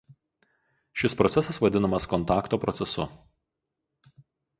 Šis procesas vadinamas kontakto procesu.